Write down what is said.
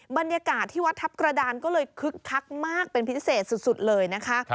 บรรยากาศที่วัดทัพกระดานก็เลยคึกคักมากเป็นพิเศษสุดเลยนะคะ